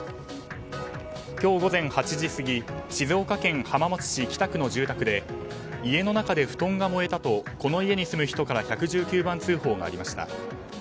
今日午前８時過ぎ静岡県浜松市北区の住宅で家の中で布団が燃えたとこの家に住む人から１１９番通報がありました。